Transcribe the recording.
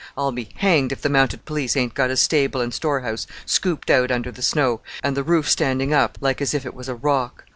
I'll be hanged if the Mounted Police ain't got a stable and store house scooped out under the snow, and the roof standing up like as if it was a rock.